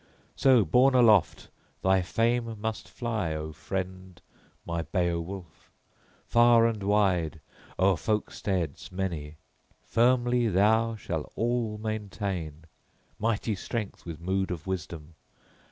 So, borne aloft, thy fame must fly, O friend my Beowulf, far and wide o'er folksteads many. Firmly thou shalt all maintain, mighty strength with mood of wisdom.